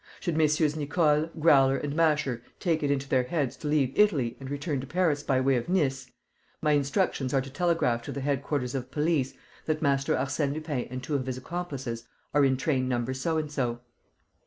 Should Messrs. Nicole, Growler and Masher take it into their heads to leave Italy and return to Paris by way of Nice, my instructions are to telegraph to the headquarters of police that Master Arsène Lupin and two of his accomplices are in train number so and so."